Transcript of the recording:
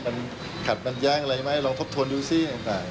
มันขัดมันแย้งอะไรไหมลองทบทวนดูซิต่าง